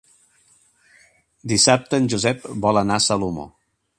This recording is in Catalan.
Dissabte en Josep vol anar a Salomó.